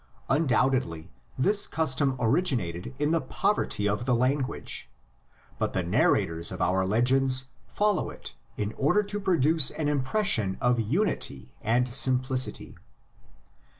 Undoubtedly this cus tom originated in the poverty of the language; but the narrators of our legends follow it in order to produce an impression of unity and simplicity.